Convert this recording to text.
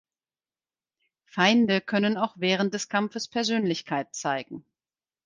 Feinde können auch während des Kampfes Persönlichkeit zeigen.